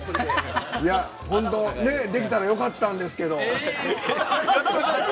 できたらよかったんですけど。